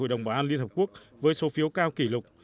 hội đồng bảo an liên hợp quốc với số phiếu cao kỷ lục